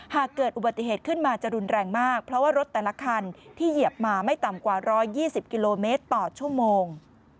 หากเกิดอุบัติเหตุขึ้นมาจะรุนแรงมากเพราะว่ารถแต่ละคันที่เหยียบมาไม่ต่ำกว่า๑๒๐กิโลเมตรต่อชั่วโมง